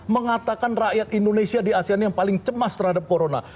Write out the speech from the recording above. mengatakan rakyat indonesia di asean yang paling cemas terhadap corona